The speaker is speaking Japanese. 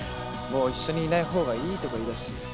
もう一緒にいない方がいいとか言いだすんだ。